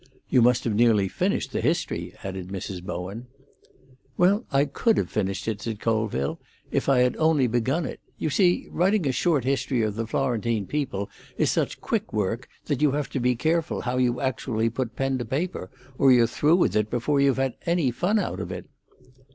"You must have nearly finished the history," added Mrs. Bowen. "Well, I could have finished it," said Colville, "if I had only begun it. You see, writing a short history of the Florentine people is such quick work that you have to be careful how you actually put pen to paper, or you're through with it before you've had any fun out of it."